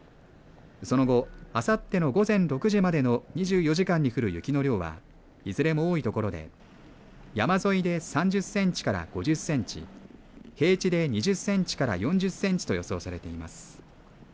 その後、あさっての午前６時までの２４時間に降る雪の量はいずれも多い所で山沿いで３０センチから５０センチ平地で２０センチから４０センチと予想されています。